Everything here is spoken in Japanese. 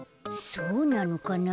そうなのかな？